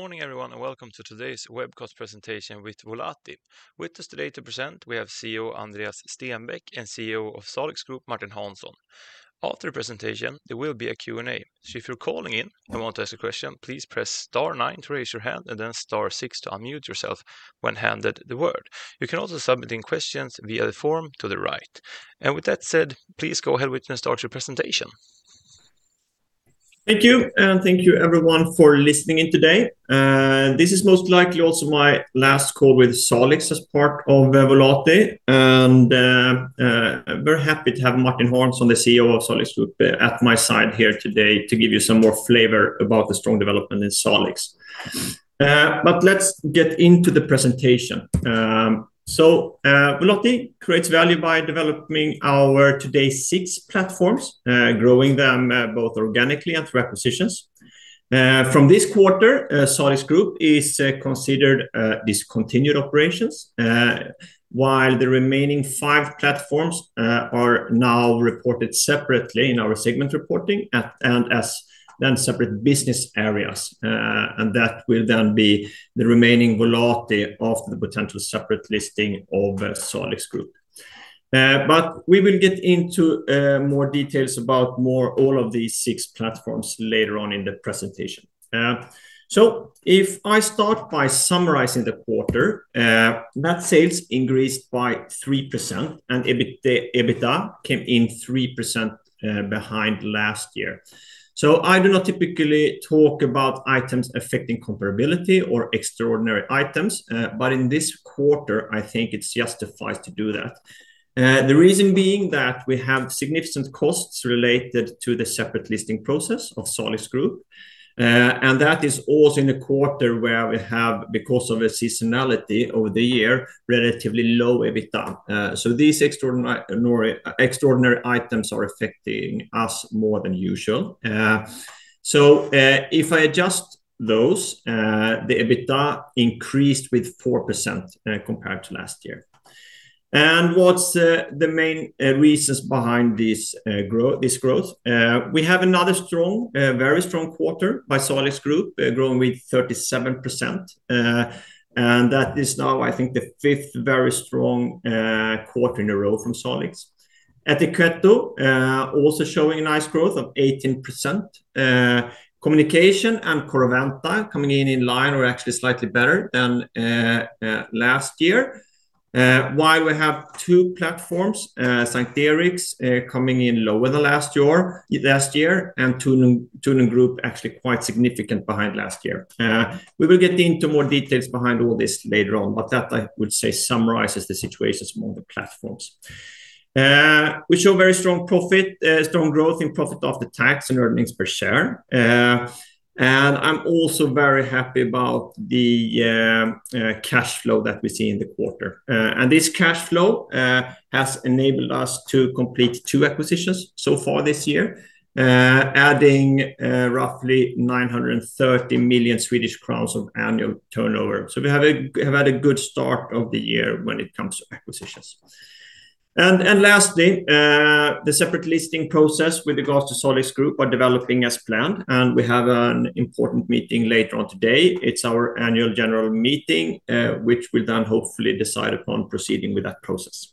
Morning everyone, and welcome to today's webcast presentation with Volati. With us today to present we have CEO Andreas Stenbäck and CEO of Salix Group, Martin Hansson. After the presentation, there will be a Q&A, so if you're calling in and want to ask a question, please press star nine to raise your hand and then star six to unmute yourself when handed the word. You can also submit in questions via the form to the right. With that said, please go ahead with and start your presentation. Thank you, and thank you everyone for listening in today. This is most likely also my last call with Salix as part of Volati, and very happy to have Martin Hansson, the CEO of Salix Group at my side here today to give you some more flavor about the strong development in Salix. Let's get into the presentation. Volati creates value by developing our today six platforms, growing them both organically and through acquisitions. From this quarter, Salix Group is considered discontinued operations, while the remaining five platforms are now reported separately in our segment reporting at and as then separate business areas. That will then be the remaining Volati of the potential separate listing of Salix Group. We will get into more details about all of these six platforms later on in the presentation. If I start by summarizing the quarter, net sales increased by 3% and EBITDA came in 3% behind last year. I do not typically talk about items affecting comparability or extraordinary items, but in this quarter, I think it's justified to do that. The reason being that we have significant costs related to the separate listing process of Salix Group, and that is also in a quarter where we have, because of a seasonality over the year, relatively low EBITDA. These extraordinary items are affecting us more than usual. If I adjust those, the EBITDA increased with 4% compared to last year. What's the main reasons behind this growth? We have another strong, very strong quarter by Salix Group, growing with 37%. That is now, I think, the fifth very strong quarter in a row from Salix. Ettiketto also showing a nice growth of 18%. Communication and Corroventa coming in in line or actually slightly better than last year. While we have two platforms, S:t Eriks coming in lower than last year, and Tornum Group actually quite significant behind last year. We will get into more details behind all this later on, but that I would say summarizes the situations among the platforms. We show very strong profit, strong growth in profit after tax and earnings per share. I'm also very happy about the cash flow that we see in the quarter. This cash flow has enabled us to complete two acquisitions so far this year, adding roughly 930 million Swedish crowns of annual turnover. We have had a good start of the year when it comes to acquisitions. Lastly, the separate listing process with regards to Salix Group are developing as planned, and we have an important meeting later on today. It's our annual general meeting, which we'll then hopefully decide upon proceeding with that process.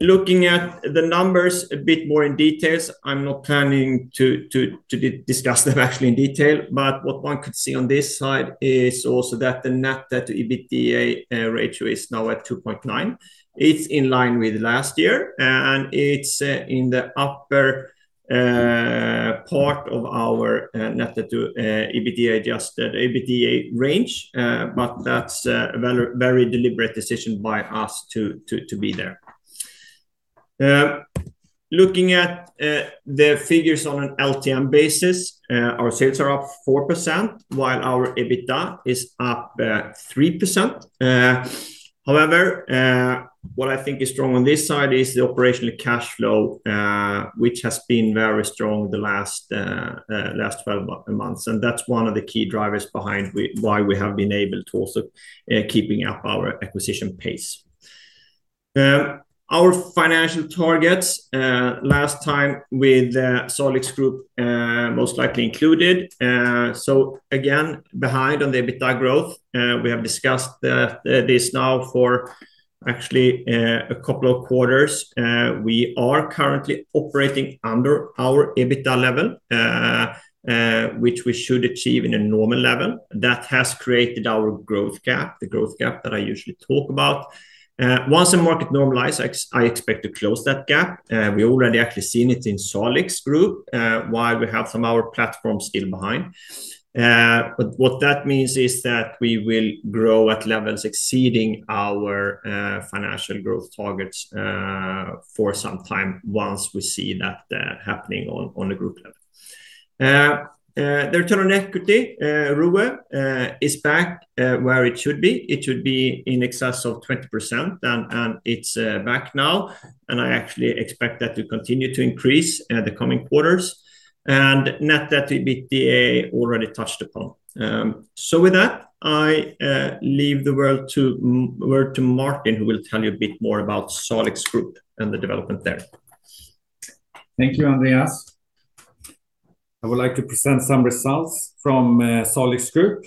Looking at the numbers a bit more in details, I'm not planning to discuss them actually in detail. What one could see on this side is also that the net debt to EBITDA ratio is now at 2.9. It's in line with last year, and it's in the upper part of our net debt to EBITDA, adjusted EBITDA range. That's a very, very deliberate decision by us to be there. Looking at the figures on an LTM basis, our sales are up 4%, while our EBITDA is up 3%. What I think is strong on this side is the operational cash flow, which has been very strong the last 12 months. That's one of the key drivers behind why we have been able to also, keeping up our acquisition pace. Our financial targets, last time with Salix Group, most likely included. Again, behind on the EBITDA growth, we have discussed this now for actually a couple of quarters. We are currently operating under our EBITDA level, which we should achieve in a normal level. That has created our growth gap, the growth gap that I usually talk about. Once the market normalizes, I expect to close that gap. We already actually seen it in Salix Group, while we have some of our platforms still behind. What that means is that we will grow at levels exceeding our financial growth targets for some time once we see that happening on a group level. The return on equity, ROE, is back where it should be. It should be in excess of 20%, and it's back now. I actually expect that to continue to increase the coming quarters. Net debt to EBITDA already touched upon. With that, I leave the word to Martin, who will tell you a bit more about Salix Group and the development there. Thank you, Andreas. I would like to present some results from Salix Group.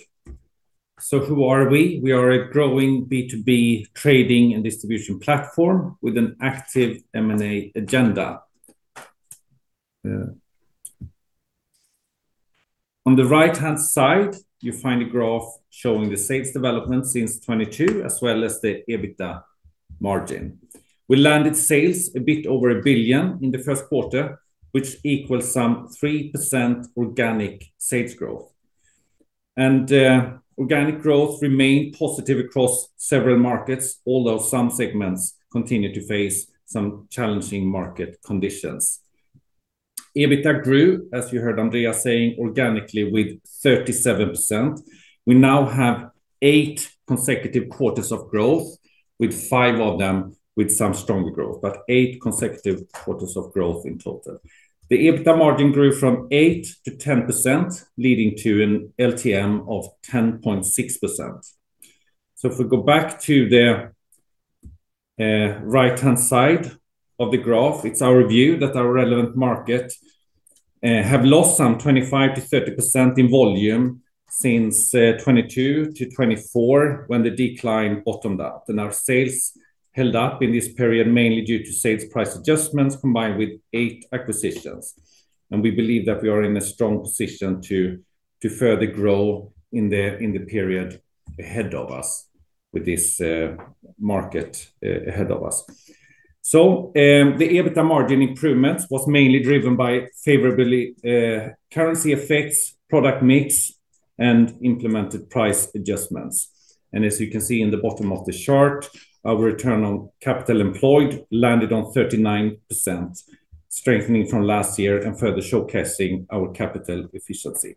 Who are we? We are a growing B2B trading and distribution platform with an active M&A agenda. On the right-hand side, you find a graph showing the sales development since 2022 as well as the EBITDA margin. We landed sales a bit over 1 billion in the first quarter, which equals some 3% organic sales growth. Organic growth remained positive across several markets, although some segments continue to face some challenging market conditions. EBITDA grew, as you heard Andreas saying, organically with 37%. We now have eight consecutive quarters of growth, with five of them with some stronger growth, but eight consecutive quarters of growth in total. The EBITDA margin grew from 8%-10%, leading to an LTM of 10.6%. If we go back to the right-hand side of the graph, it's our view that our relevant market have lost some 25%-30% in volume since 2022-2024 when the decline bottomed out. Our sales held up in this period mainly due to sales price adjustments combined with eight acquisitions. We believe that we are in a strong position to further grow in the period ahead of us with this market ahead of us. The EBITDA margin improvement was mainly driven by favorably currency effects, product mix, and implemented price adjustments. As you can see in the bottom of the chart, our return on capital employed landed on 39%, strengthening from last year and further showcasing our capital efficiency.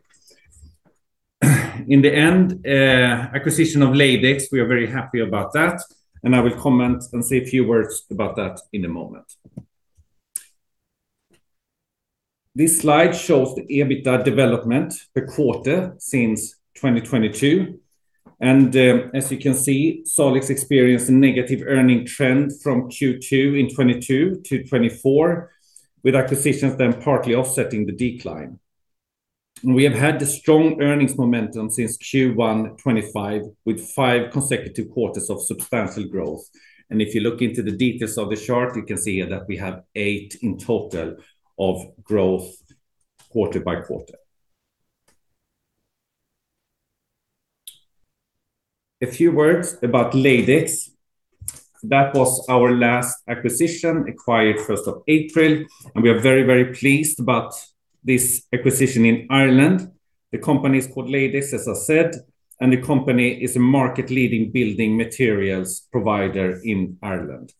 In the end, acquisition of Ladix, we are very happy about that, and I will comment and say a few words about that in a moment. This slide shows the EBITDA development per quarter since 2022. As you can see, Salix Group experienced a negative earning trend from Q2 in 2022-2024, with acquisitions then partly offsetting the decline. We have had the strong earnings momentum since Q1 2025, with five consecutive quarters of substantial growth. If you look into the details of the chart, you can see that we have eight in total of growth quarter by quarter. A few words about Ladix. That was our last acquisition acquired first of April, and we are very pleased about this acquisition in Ireland. The company is called Ladix, as I said, and the company is a market-leading building materials provider in Ireland.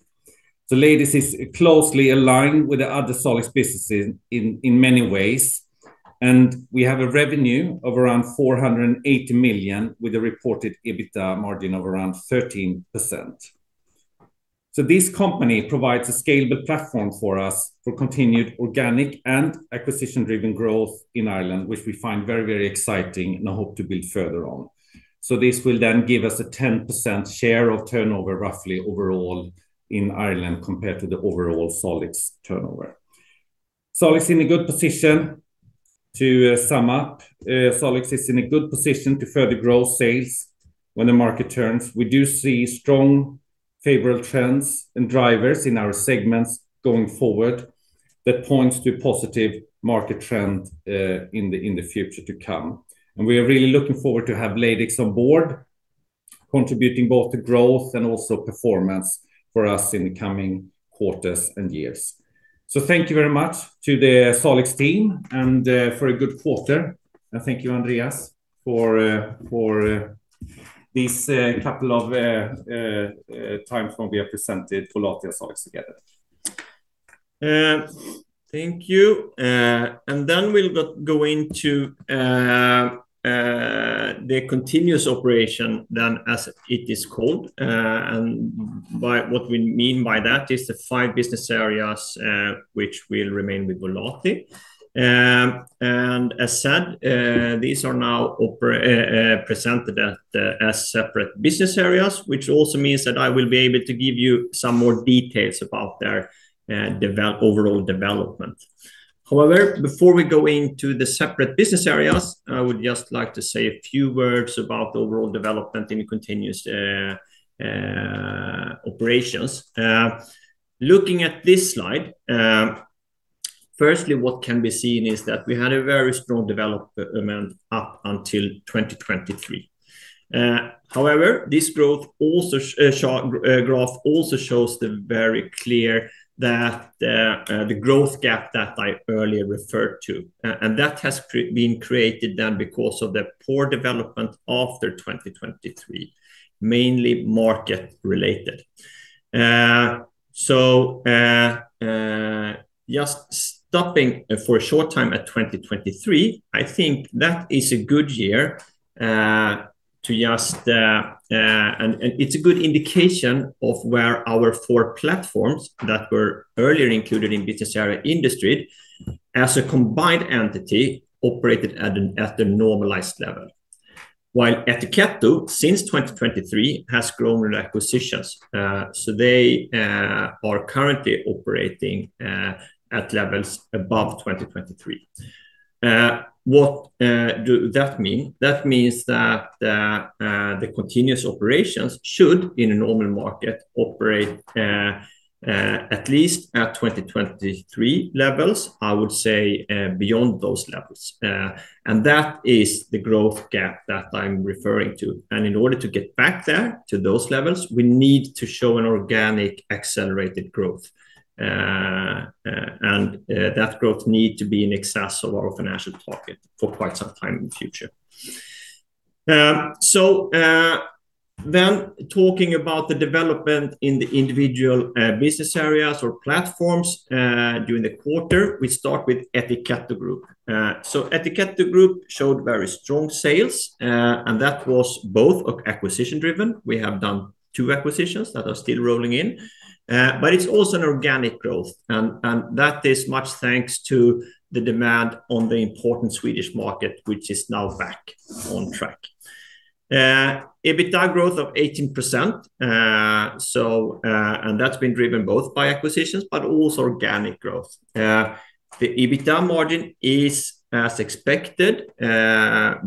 Ladix is closely aligned with the other Salix businesses in many ways, and we have a revenue of around 480 million with a reported EBITDA margin of around 13%. This company provides a scalable platform for us for continued organic and acquisition-driven growth in Ireland, which we find very, very exciting and hope to build further on. This will then give us a 10% share of turnover, roughly overall in Ireland compared to the overall Salix turnover. Salix in a good position to sum up. Salix is in a good position to further grow sales when the market turns. We do see strong favorable trends and drivers in our segments going forward that points to positive market trend in the future to come. We are really looking forward to have Ladix on board, contributing both to growth and also performance for us in the coming quarters and years. Thank you very much to the Salix team and for a good quarter. Thank you, Andreas, for this couple of times when we have presented for a lot of Salix together. Thank you. We'll go into the continuous operation then as it is called. By what we mean by that is the five business areas which will remain with Volati. As said, these are now presented at as separate business areas, which also means that I will be able to give you some more details about their overall development. However, before we go into the separate business areas, I would just like to say a few words about the overall development in continuous operations. Looking at this slide, firstly, what can be seen is that we had a very strong development up until 2023. However, this growth graph also shows the very clear that the growth gap that I earlier referred to. That has been created then because of the poor development after 2023, mainly market related. Just stopping for a short time at 2023, I think that is a good year to just. It's a good indication of where our four platforms that were earlier included in business area industry as a combined entity operated at a normalized level. While Ettiketto, since 2023, has grown in acquisitions, they are currently operating at levels above 2023. What do that mean? That means that the continuous operations should, in a normal market, operate at least at 2023 levels, I would say, beyond those levels. That is the growth gap that I'm referring to. In order to get back there to those levels, we need to show an organic accelerated growth. That growth need to be in excess of our financial target for quite some time in the future. Then talking about the development in the individual business areas or platforms during the quarter, we start with Ettiketto Group. Etiketto Group showed very strong sales, and that was both acquisition driven. We have done two acquisitions that are still rolling in. It's also an organic growth, and that is much thanks to the demand on the important Swedish market, which is now back on track. EBITDA growth of 18%, and that's been driven both by acquisitions but also organic growth. The EBITDA margin is, as expected,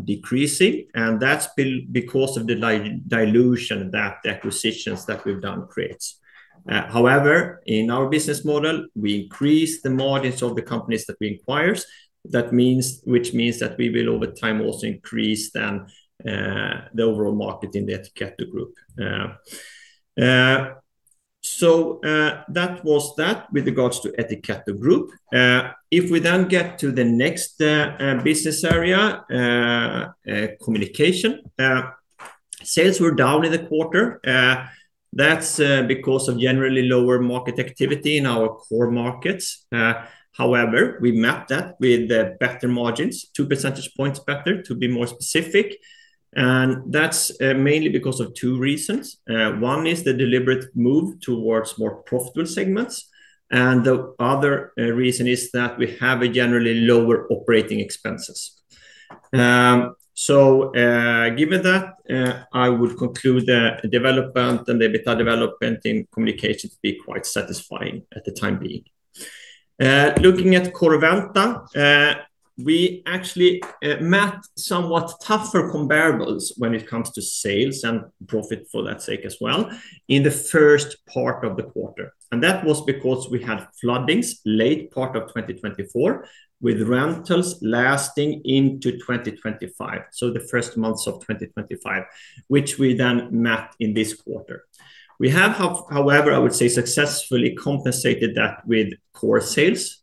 decreasing, and that's because of the dilution that the acquisitions that we've done creates. However, in our business model, we increase the margins of the companies that we acquires. That means, which means that we will over time also increase then, the overall market in the Ettiketto Group. That was that with regards to Ettiketto Group. If we get to the next business area, Communication, sales were down in the quarter. That's because of generally lower market activity in our core markets. However, we mapped that with better margins, 2 percentage points better to be more specific. That's mainly because of two reasons. One is the deliberate move towards more profitable segments, the other reason is that we have a generally lower operating expenses. Given that, I would conclude the development and the EBITDA development in Communication to be quite satisfying at the time being. Looking at Corroventa, we actually met somewhat tougher comparables when it comes to sales and profit for that sake as well in the first part of the quarter. That was because we had floodings late part of 2024 with rentals lasting into 2025, so the first months of 2025, which we then met in this quarter. We have, however, I would say successfully compensated that with core sales.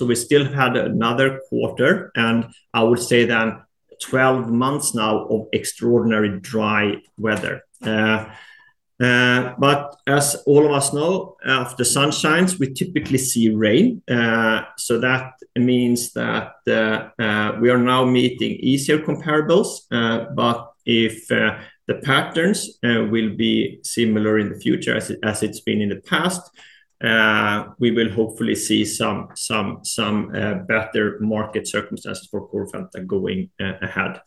We still had another quarter, and I would say then 12 months now of extraordinary dry weather. As all of us know, after sun shines, we typically see rain. That means that we are now meeting easier comparables, but if the patterns will be similar in the future as it, as it's been in the past, we will hopefully see some better market circumstances for Corroventa going ahead.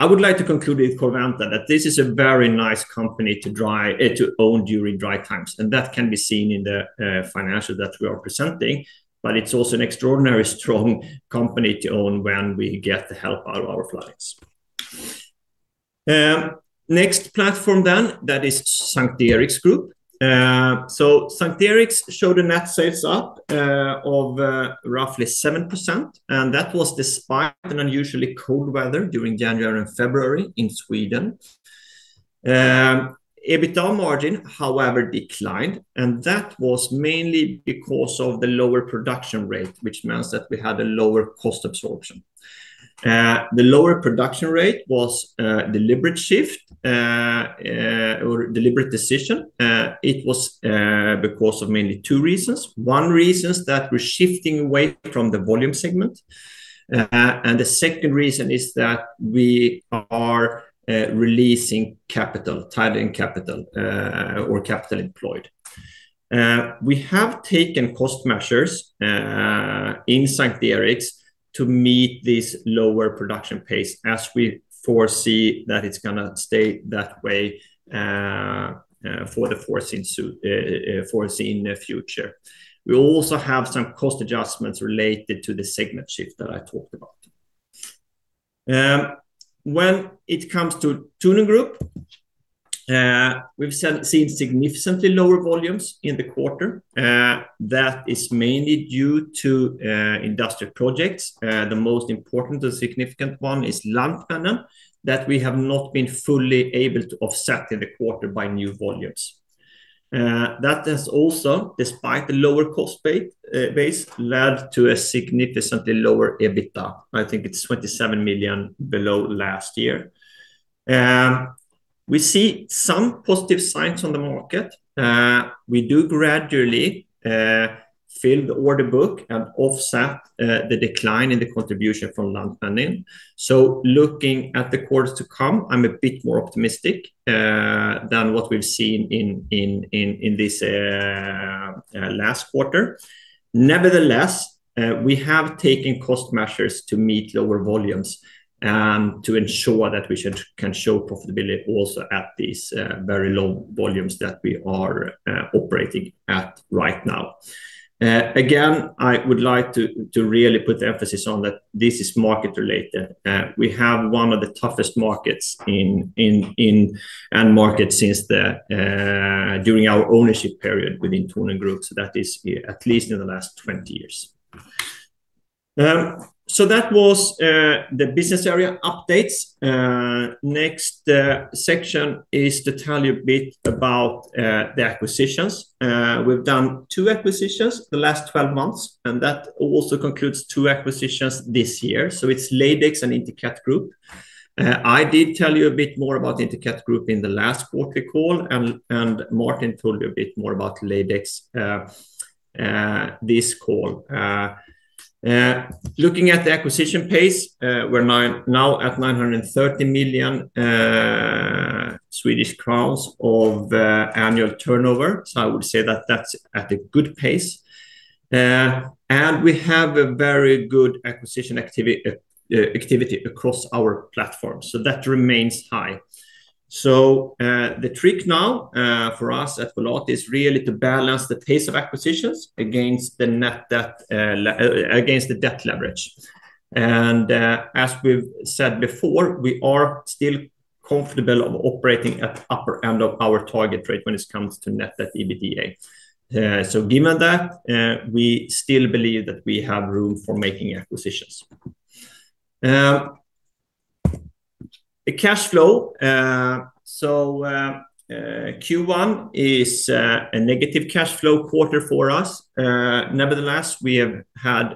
I would like to conclude with Corroventa that this is a very nice company to own during dry times, and that can be seen in the financial that we are presenting. It's also an extraordinarily strong company to own when we get the help of our clients. Next platform that is S:t Eriks Group. S:t Eriks showed a net sales up of roughly 7%, and that was despite an unusually cold weather during January and February in Sweden. EBITDA margin, however, declined, and that was mainly because of the lower production rate, which means that we had a lower cost absorption. The lower production rate was a deliberate shift or deliberate decision. It was because of mainly two reasons. One reason is that we're shifting away from the volume segment. The second reason is that we are releasing capital, tied-in capital, or capital employed. We have taken cost measures in S:t Eriks to meet this lower production pace as we foresee that it's gonna stay that way for the foreseen future. We also have some cost adjustments related to the segment shift that I talked about. When it comes to Tornum Group, we've seen significantly lower volumes in the quarter. That is mainly due to industrial projects. The most important and significant one is Lantmännen that we have not been fully able to offset in the quarter by new volumes. That has also, despite the lower cost base, led to a significantly lower EBITDA. I think it's 27 million below last year. We see some positive signs on the market. We do gradually fill the order book and offset the decline in the contribution from Lantmännen. Looking at the quarters to come, I'm a bit more optimistic than what we've seen in this last quarter. Nevertheless, we have taken cost measures to meet lower volumes and to ensure that we can show profitability also at these very low volumes that we are operating at right now. Again, I would like to really put the emphasis on that this is market related. We have one of the toughest markets in end market since the during our ownership period within Tornum Group. That is at least in the last 20 years. That was the business area updates. Next section is to tell you a bit about the acquisitions. We've done two acquisitions the last 12 months, that also concludes two acquisitions this year. It's Ladix and Interket Group. I did tell you a bit more about Ettiketto Group in the last quarter call and Martin told you a bit more about Ladix this call. Looking at the acquisition pace, we're now at 930 million Swedish crowns of annual turnover. I would say that that's at a good pace. We have a very good acquisition activity across our platform. That remains high. The trick now for us at Volati is really to balance the pace of acquisitions against the net debt leverage. As we've said before, we are still comfortable of operating at the upper end of our target rate when it comes to net debt to EBITDA. Given that, we still believe that we have room for making acquisitions. The cash flow, Q1 is a negative cash flow quarter for us. Nevertheless, we have had,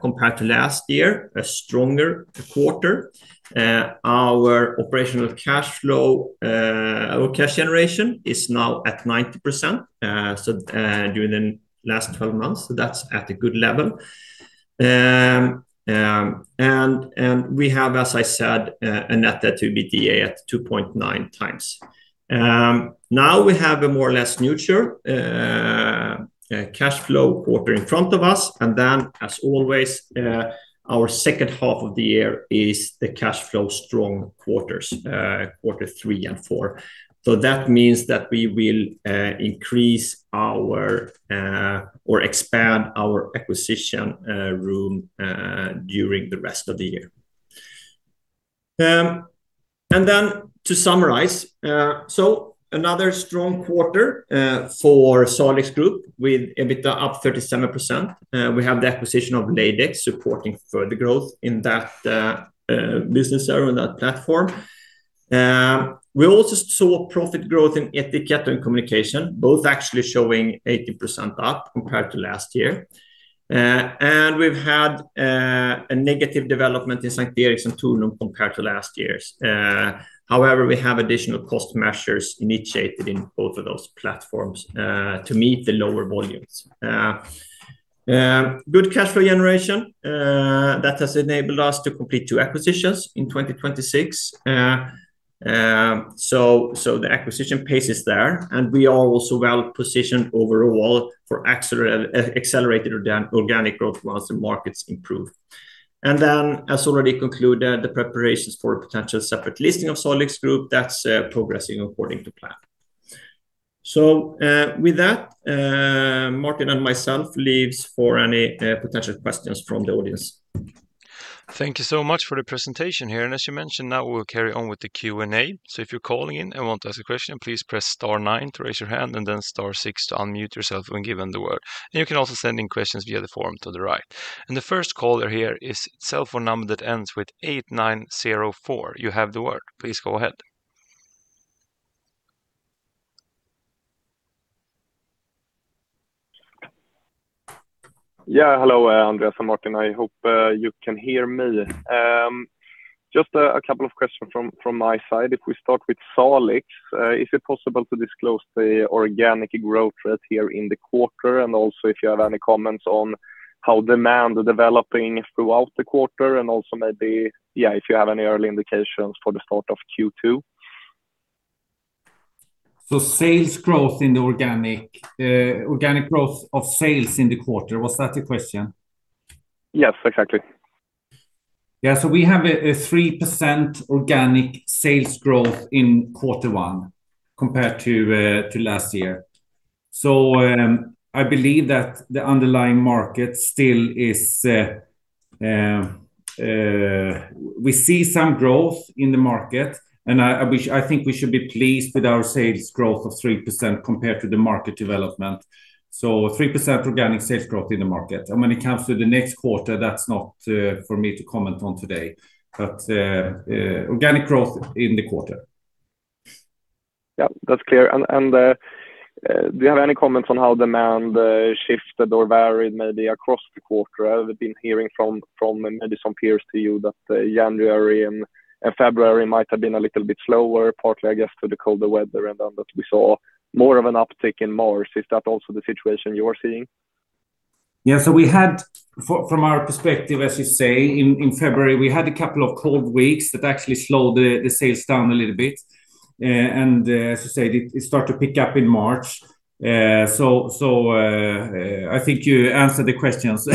compared to last year, a stronger quarter. Our operational cash flow, our cash generation is now at 90%, so during the last 12 months. That's at a good level. We have, as I said, a net debt to EBITDA at 2.9x. Now we have a more or less neutral cash flow quarter in front of us. As always, our H2 of the year is the cash flow strong quarters, quarter three and four. That means that we will increase our or expand our acquisition room during the rest of the year. To summarize, another strong quarter for Salix Group with EBITDA up 37%. We have the acquisition of Ladix supporting further growth in that business area and that platform. We also saw profit growth in Interket Group and Communication, both actually showing 80% up compared to last year. We've had a negative development in S:t Eriks and Tornum compared to last year's. We have additional cost measures initiated in both of those platforms to meet the lower volumes. Good cash flow generation that has enabled us to complete two acquisitions in 2026. So the acquisition pace is there, and we are also well positioned overall for accelerated organic growth once the markets improve. As already concluded, the preparations for a potential separate listing of Salix Group, that's progressing according to plan. With that, Martin and myself leaves for any potential questions from the audience. Thank you so much for the presentation here. As you mentioned, now we'll carry on with the Q&A. If you're calling in and want to ask a question, please press star nine to raise your hand and then star six to unmute yourself when given the word. You can also send in questions via the form to the right. The first caller here is cell phone number that ends with 8904. You have the word. Please go ahead. Hello, Andreas and Martin. I hope you can hear me. Just a couple of questions from my side. If we start with Salix Group, is it possible to disclose the organic growth rate here in the quarter? If you have any comments on how demand developing throughout the quarter and also maybe if you have any early indications for the start of Q2. Sales growth in the organic growth of sales in the quarter. Was that your question? Yes, exactly. Yeah. We have a 3% organic sales growth in quarter one compared to last year. I believe that the underlying market still is, we see some growth in the market, and I think we should be pleased with our sales growth of 3% compared to the market development. 3% organic sales growth in the market. When it comes to the next quarter, that's not for me to comment on today. Organic growth in the quarter. Yeah, that's clear. Do you have any comments on how demand shifted or varied maybe across the quarter? I've been hearing from maybe some peers to you that January and February might have been a little bit slower partly I guess to the colder weather and then that we saw more of an uptick in March. Is that also the situation you are seeing? From our perspective, as you say, in February, we had a couple of cold weeks that actually slowed the sales down a little bit. As you said, it start to pick up in March. I think you answered the questions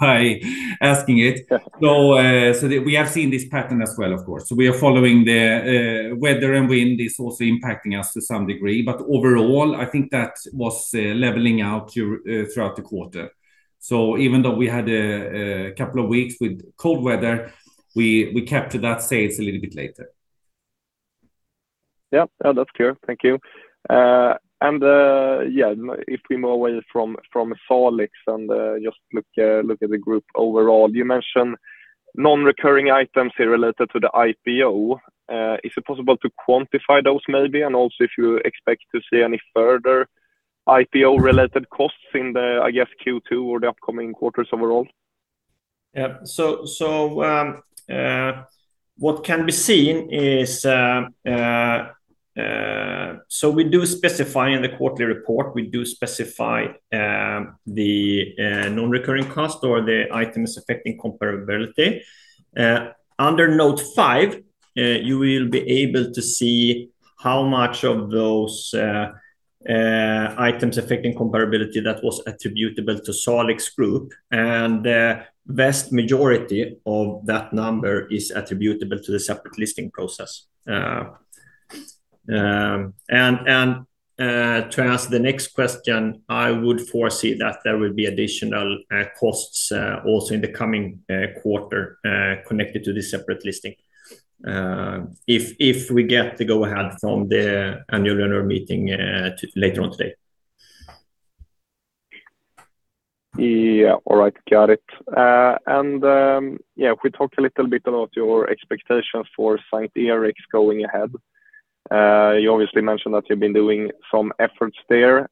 by asking it. Yeah. We have seen this pattern as well, of course. We are following the weather and wind is also impacting us to some degree. Overall, I think that was leveling out throughout the quarter. Even though we had a couple of weeks with cold weather, we kept to that sales a little bit later. Yeah. No, that's clear. Thank you. Yeah, if we move away from Salix and, just look at the group overall, you mentioned non-recurring items here related to the IPO. Is it possible to quantify those maybe, and also if you expect to see any further IPO related costs in the, I guess, Q2 or the upcoming quarters overall? Yeah. What can be seen is we do specify in the quarterly report the non-recurring cost or the items affecting comparability. Under note five, you will be able to see how much of those items affecting comparability that was attributable to Salix Group. The vast majority of that number is attributable to the separate listing process. To answer the next question, I would foresee that there will be additional costs also in the coming quarter connected to this separate listing if we get the go-ahead from the annual general meeting later on today. Yeah. All right. Got it. Yeah, we talked a little bit about your expectations for S:t Eriks going ahead. You obviously mentioned that you've been doing some efforts there.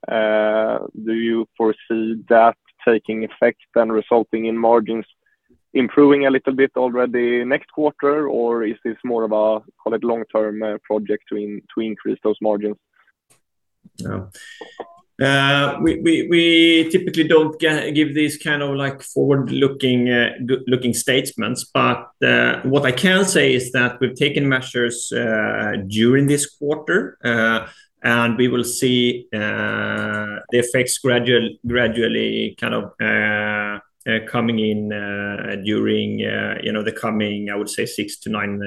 Do you foresee that taking effect and resulting in margins improving a little bit already next quarter, or is this more of a, call it, long-term, project to increase those margins? Yeah. We typically don't give these kind of like forward-looking statements, but what I can say is that we've taken measures during this quarter, and we will see the effects gradually kind of coming in during, you know, the coming, I would say six to nine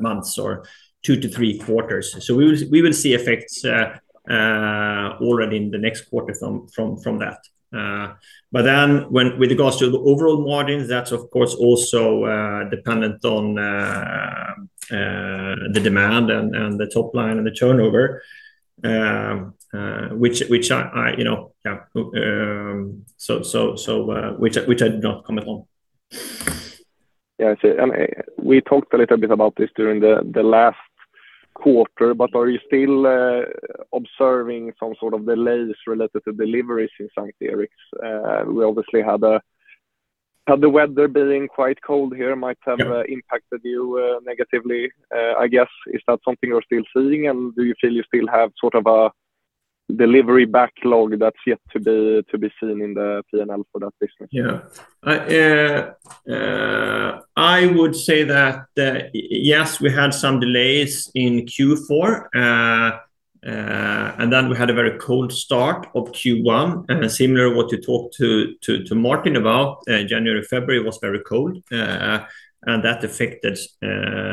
months or two to three quarters. We will see effects already in the next quarter from that. When with regards to the overall margins, that's of course also dependent on the demand and the top line and the turnover, which I'll not comment on. Yeah. I see. We talked a little bit about this during the last quarter, but are you still observing some sort of delays related to deliveries in S:t Eriks? We obviously had the weather being quite cold here. Yeah... impacted you negatively, I guess, is that something you're still seeing? Do you feel you still have sort of a delivery backlog that's yet to be seen in the P&L for that business? I would say that yes, we had some delays in Q4. We had a very cold start of Q1. Similar what you talked to Martin about, January, February was very cold, and that affected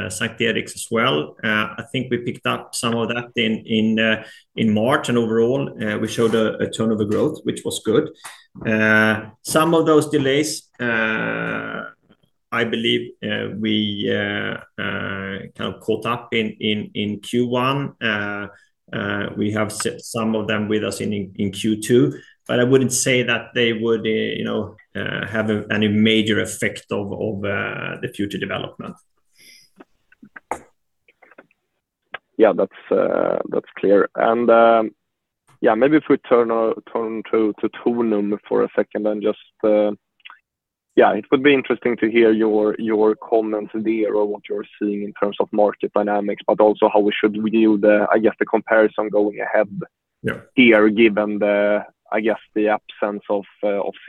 S:t Eriks as well. I think we picked up some of that in March and overall, we showed a turnover growth, which was good. Some of those delays, I believe, we kind of caught up in Q1. We have some of them with us in Q2, but I wouldn't say that they would, you know, have any major effect of the future development. Yeah, that's clear. Maybe if we turn to Tornum for a second, and just, it would be interesting to hear your comments there on what you're seeing in terms of market dynamics, but also how we should view the, I guess, the comparison going ahead. Yeah... here, given the, I guess, the absence of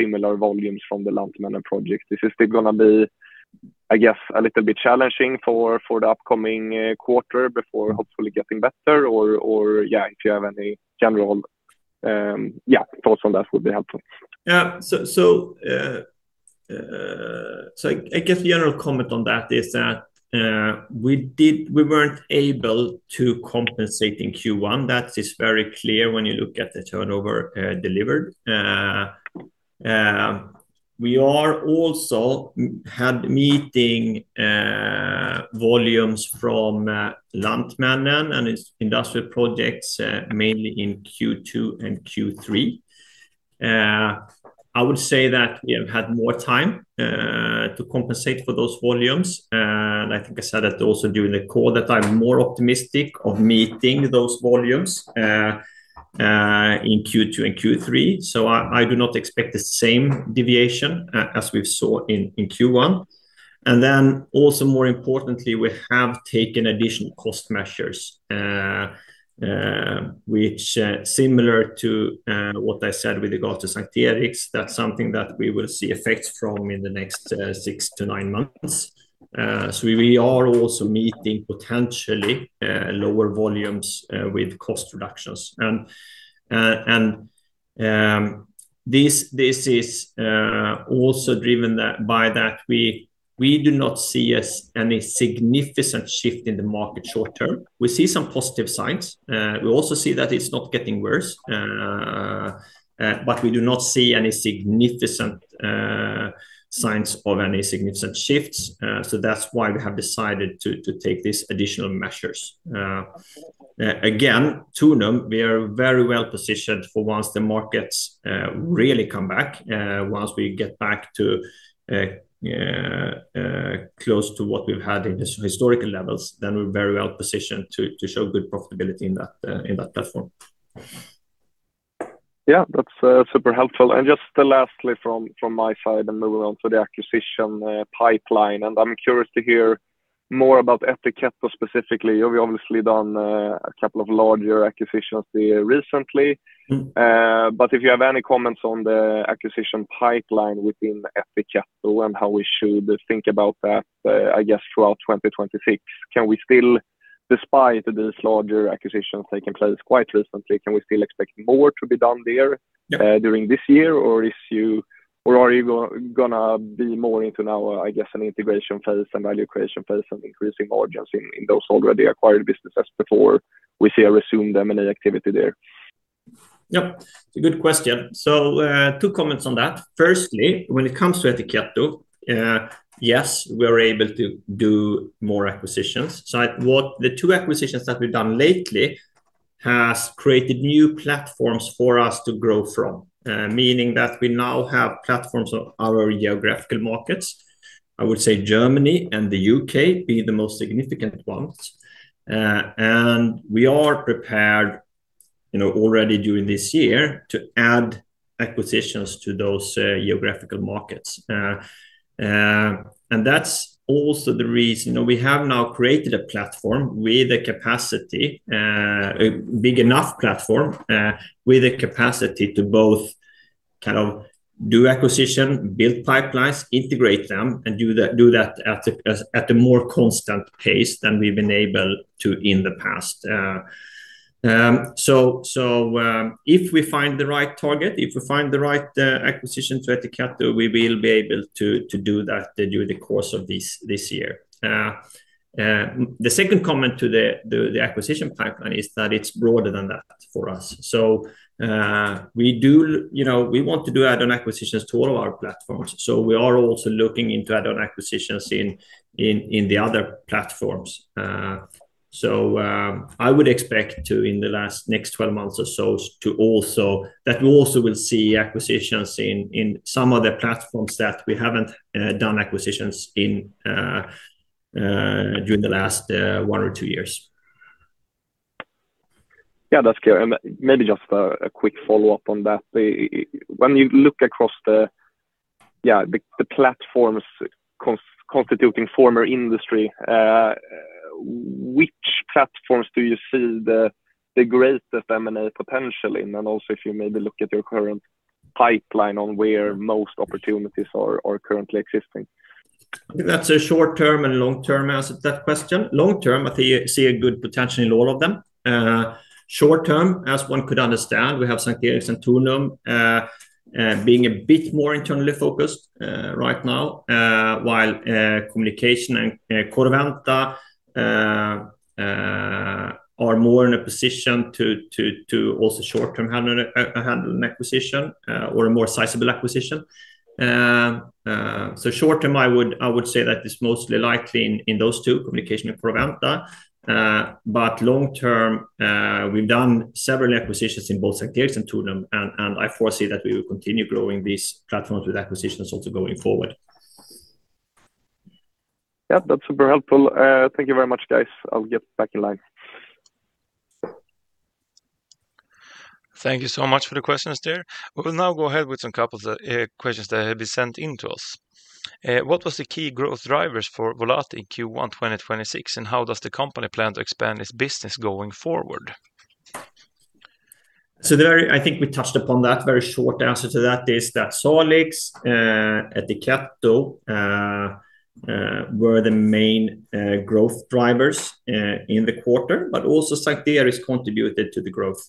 similar volumes from the Lantmännen project. This is still gonna be, I guess, a little bit challenging for the upcoming quarter before hopefully getting better or, yeah, if you have any general, yeah, thoughts on that would be helpful. Yeah. I guess the general comment on that is that we weren't able to compensate in Q1. That is very clear when you look at the turnover delivered. We are also had meeting volumes from Lantmännen and its industrial projects mainly in Q2 and Q3. I would say that we have had more time to compensate for those volumes. And I think I said that also during the call that I'm more optimistic of meeting those volumes in Q2 and Q3. I do not expect the same deviation as we've saw in Q1. Then also more importantly, we have taken additional cost measures, which, similar to what I said with regards to S:t Eriks, that's something that we will see effects from in the next six to nine months. We are also meeting potentially lower volumes with cost reductions. This is also driven by that we do not see any significant shift in the market short term. We see some positive signs. We also see that it's not getting worse. We do not see any significant signs of any significant shifts. That's why we have decided to take these additional measures. Again, Tornum, we are very well positioned for once the markets really come back, once we get back to close to what we've had in this historical levels, then we're very well positioned to show good profitability in that in that platform. Yeah. That's super helpful. Just lastly from my side and moving on to the acquisition pipeline, and I'm curious to hear more about Etiketto specifically. You've obviously done a couple of larger acquisitions there recently. Mm-hmm. If you have any comments on the acquisition pipeline within Ettiketto and how we should think about that, I guess throughout 2026, can we still, despite these larger acquisitions taking place quite recently, expect more to be done there? Yeah... during this year? Or are you gonna be more into now, I guess, an integration phase and value creation phase and increasing margins in those already acquired businesses before we see a resumed M&A activity there? Yep. Good question. Two comments on that. Firstly, when it comes to Ettiketto, yes, we are able to do more acquisitions. What the two acquisitions that we've done lately has created new platforms for us to grow from, meaning that we now have platforms of our geographical markets. I would say Germany and the U.K. being the most significant ones. And we are prepared, you know, already during this year to add acquisitions to those geographical markets. And that's also the reason we have now created a platform with a capacity, a big enough platform, with a capacity to both kind of do acquisition, build pipelines, integrate them, and do that at a more constant pace than we've been able to in the past. If we find the right target, if we find the right acquisition to Ettiketto, we will be able to do that during the course of this year. The second comment to the acquisition pipeline is that it's broader than that for us. We do you know, we want to do add-on acquisitions to all of our platforms. We are also looking into add-on acquisitions in the other platforms. I would expect, in the last next 12 months or so, that we also will see acquisitions in some other platforms that we haven't done acquisitions in during the last one or two years. Yeah. That's clear. Maybe just a quick follow-up on that. When you look across the platforms constituting former industry, which platforms do you see the greatest M&A potential in? Also if you maybe look at your current pipeline on where most opportunities are currently existing. I think that's a short-term and long-term answer to that question. Long term, I think I see a good potential in all of them. Short term, as one could understand, we have S:t Eriks and Tornum being a bit more internally focused right now, while Communication and Corroventa are more in a position to also short-term handle an acquisition or a more sizable acquisition. Short term, I would say that it's mostly likely in those two, Communication and Corroventa. Long term, we've done several acquisitions in both S:t Eriks and Tornum, and I foresee that we will continue growing these platforms with acquisitions also going forward. Yeah. That's super helpful. Thank you very much, guys. I'll get back in line. Thank you so much for the questions there. We will now go ahead with some couple of questions that have been sent in to us. What was the key growth drivers for Volati in Q1 2026, and how does the company plan to expand its business going forward? There I think we touched upon that. Very short answer to that is that Salix, Ettiketto, were the main growth drivers in the quarter, but also S:t Eriks contributed to the growth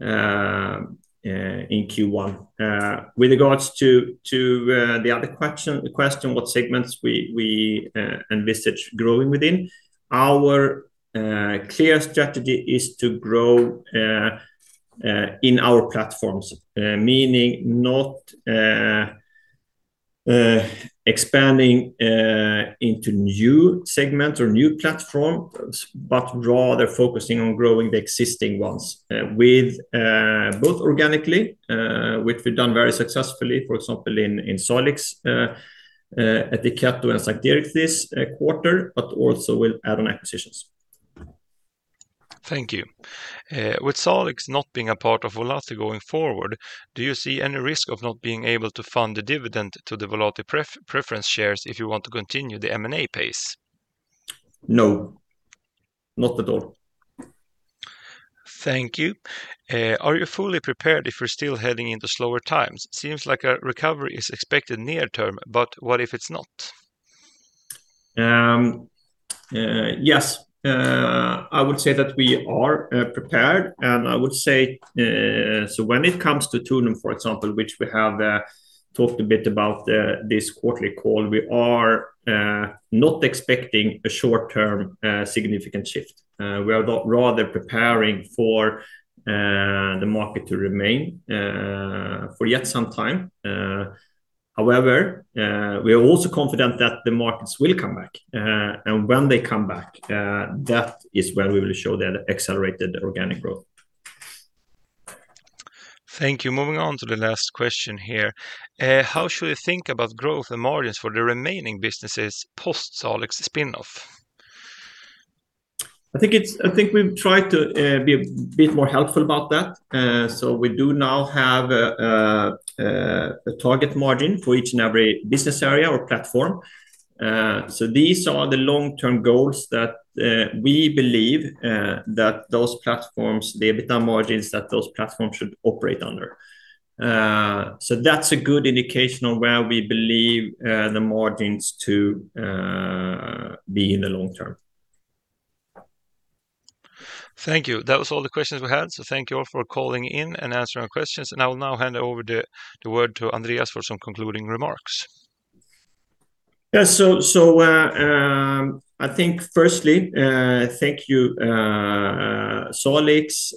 in Q1. With regards to the other question, the question what segments we envisage growing within, our clear strategy is to grow in our platforms, meaning not expanding into new segment or new platforms, but rather focusing on growing the existing ones, with both organically, which we've done very successfully, for example, in Salix, at Ettiketto and S:t Eriks this quarter, but also will add on acquisitions. Thank you. With Salix not being a part of Volati going forward, do you see any risk of not being able to fund the dividend to the Volati preference shares if you want to continue the M&A pace? No, not at all. Thank you. Are you fully prepared if we're still heading into slower times? Seems like a recovery is expected near term, but what if it's not? Yes. I would say that we are prepared. When it comes to Tornum, for example, which we have talked a bit about this quarterly call, we are not expecting a short-term, significant shift. We are not rather preparing for the market to remain for yet some time. However, we are also confident that the markets will come back. When they come back, that is when we will show that accelerated organic growth. Thank you. Moving on to the last question here. How should we think about growth and margins for the remaining businesses post Salix spin-off? I think we've tried to be a bit more helpful about that. We do now have a target margin for each and every business area or platform. These are the long-term goals that we believe that those platforms, the EBITDA margins that those platforms should operate under. That's a good indication of where we believe the margins to be in the long term. Thank you. That was all the questions we had. Thank you all for calling in and answering our questions. I will now hand over the word to Andreas for some concluding remarks. I think firstly, thank you, Salix,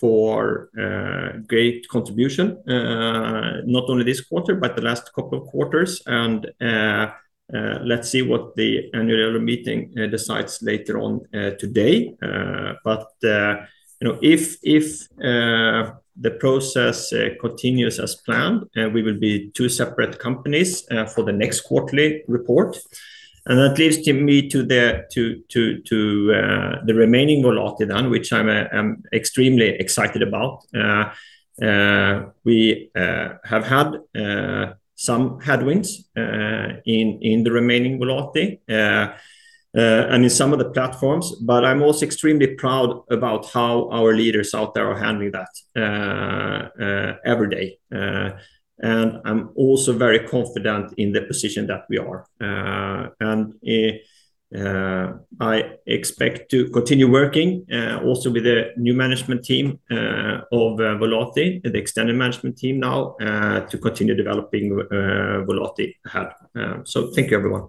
for great contribution, not only this quarter, but the last couple of quarters. Let's see what the annual meeting decides later on today. You know, if the process continues as planned, we will be two separate companies for the next quarterly report. That leads me to the remaining Volati then, which I am extremely excited about. We have had some headwinds in the remaining Volati and in some of the platforms, but I'm also extremely proud about how our leaders out there are handling that every day. I'm also very confident in the position that we are. I expect to continue working also with the new management team of Volati, the extended management team now, to continue developing Volati hub. Thank you everyone.